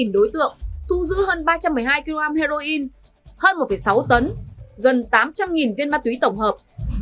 ba mươi đối tượng thu giữ hơn ba trăm một mươi hai kg heroin hơn một sáu tấn gần tám trăm linh viên ma túy tổng hợp